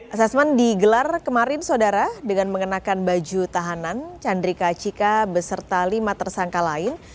asesmen digelar kemarin saudara dengan mengenakan baju tahanan chandrika cika beserta lima tersangka lain